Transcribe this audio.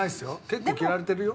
結構嫌われてるよ。